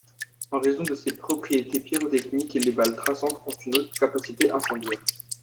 En raison de ces propriétés pyrotechniques, les balles traçantes ont une haute capacité incendiaire.